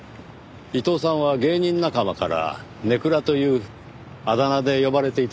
伊藤さんは芸人仲間からネクラというあだ名で呼ばれていたそうですね？